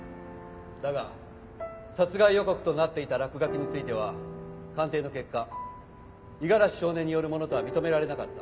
だが殺害予告となっていた落書きについては鑑定の結果五十嵐少年によるものとは認められなかった。